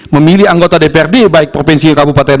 memilih anggota dprd baik provinsi kabupaten